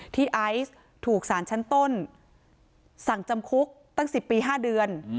ไอซ์ถูกสารชั้นต้นสั่งจำคุกตั้ง๑๐ปี๕เดือน